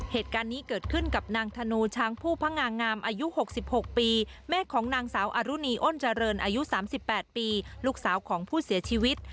เหตุการณ์นี้เกิดขึ้นกับนางธนูช้างผู้พงางามอายุ๖๖ปีแม่ของนางสาวอรุณีอ้นเจริญอายุ๓๘ปีลูกสาวของผู้เสียชีวิต